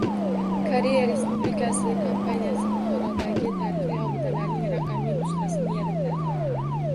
Koreya Respublikasi kompaniyasi Buxorodagi tarixiy obidalarning raqamli nusxasini yaratadi